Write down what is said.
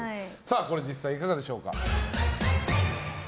これ実際いかがでしょうか。